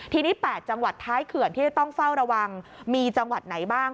ทีนี้๘จังหวัดท้ายเขื่อนที่จะต้องเฝ้าระวังมีจังหวัดไหนบ้าง